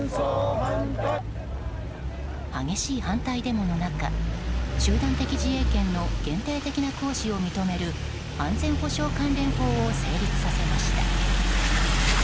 激しい反対デモの中集団的自衛権の限定的な行使を認める安全保障関連法を成立させました。